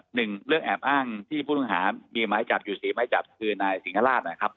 หนึ่งเรื่องแอบอ้างที่ผู้ต้องหามีหมายจับอยู่สี่ไม้จับคือนายสิงหราชนะครับ